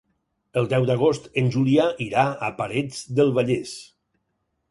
El deu d'agost en Julià irà a Parets del Vallès.